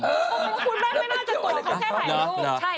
คนนั้นไม่น่าจะทนทนเจอกันแค่ถ่ายรูป